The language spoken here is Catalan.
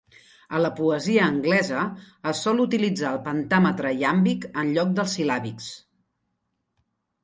A la poesia anglesa, es sol utilitzar el pentàmetre iàmbic enlloc dels sil·làbics.